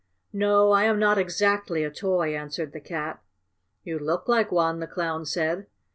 "No, I am not exactly a toy," answered the Cat. "You look like one," the Clown said.